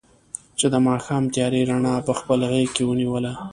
چې د ماښام تیارې رڼا په خپل غېږ کې ونیوله.